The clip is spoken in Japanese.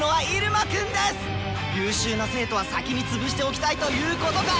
優秀な生徒は先に潰しておきたいということか！